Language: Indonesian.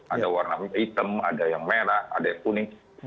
ada warna hitam ada yang merah ada yang kuning